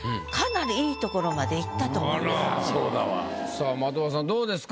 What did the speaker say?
さあ的場さんどうですか？